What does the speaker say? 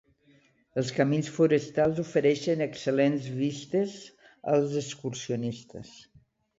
Els camins forestals ofereixen excel·lents vistes als excursionistes.